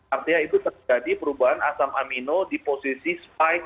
artinya itu terjadi perubahan asam amino di posisi spike